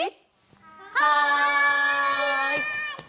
はい！